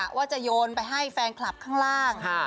ว่าจะโยนไปให้แฟนคลับข้างล่าง